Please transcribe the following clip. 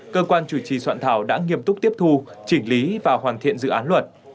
cơ quan chủ trì soạn thảo đã nghiêm túc tiếp thu chỉnh lý và hoàn thiện dự án luật